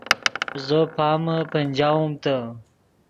زو پامے پنجاؤم تے